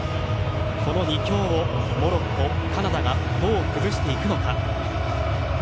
この２強をモロッコ、カナダがどう崩していくのか。